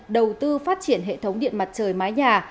đầu tư phát triển hệ thống điện mặt trời mái nhà